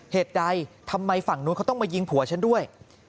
เหตุใดทำไมฝั่งนู้นเขาต้องมายิงผัวฉันด้วย